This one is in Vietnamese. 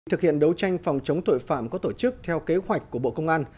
thực hiện đấu tranh phòng chống tội phạm có tổ chức theo kế hoạch của bộ công an